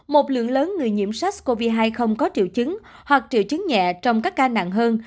một lượng lớn người nhiễm sars cov hai không có triệu chứng hoặc triệu chứng nhẹ trong các ca nặng hơn